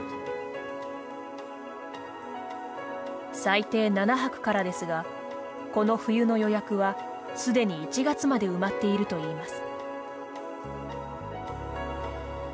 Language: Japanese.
最低７泊からですがこの冬の予約はすでに１月まで埋まっているといいます。